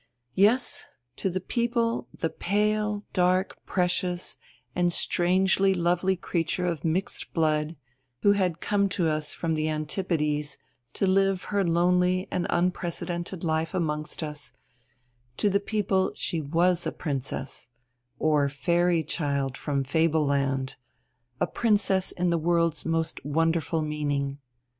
Yes, to the people the pale, dark, precious, and strangely lovely creature of mixed blood, who had come to us from the Antipodes to live her lonely and unprecedented life amongst us to the people she was a princess or Fairy child from Fableland, a princess in the world's most wonderful meaning.